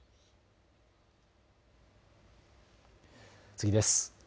次です。